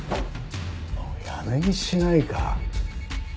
もうやめにしないか。